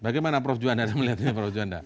bagaimana prof juanda melihatnya prof juanda